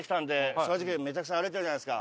正直めちゃくちゃ歩いてるじゃないですか。